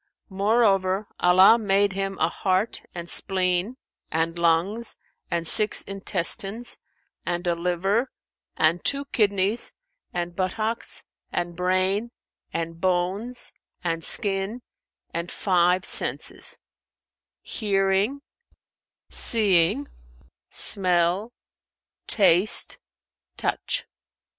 Moreover, Allah made him a heart and spleen and lungs and six intestines and a liver and two kidneys and buttocks and brain and bones and skin and five senses; hearing, seeing, smell, taste, touch.